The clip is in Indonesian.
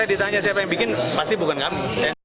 kalau ditanya siapa yang bikin pasti bukan kami